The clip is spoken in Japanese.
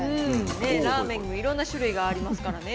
ラーメンもいろんな種類がありますからね。